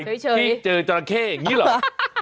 เงินเจอเจราะแคร่อย่างนี้เหรอ